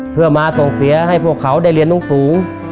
เพื่อมาส่งเสียให้พวกเขาได้เรียนสูง